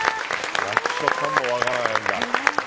役所さんも分からないんだ。